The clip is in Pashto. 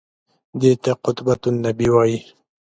دې ته قبة النبي وایي.